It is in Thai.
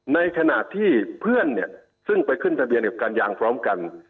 ในขณะที่เพื่อนเนี่ยซึ่งไปขึ้นทะเบียนกับการยางพร้อมกัน